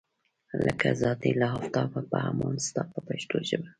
لکه ذات دی له آفته په امان ستا په پښتو ژبه.